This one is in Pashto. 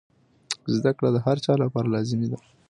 زده کړه د هر چا لپاره لازمي ده.